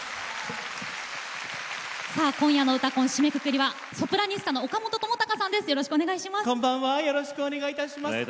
今夜の「うたコン」を締めくくるのはこの方ソプラニストの岡本知高さんです。